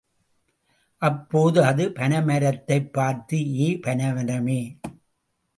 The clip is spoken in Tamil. அப்போது அது பனைமரத்தைப் பார்த்து, ஏ—பனைமரமே!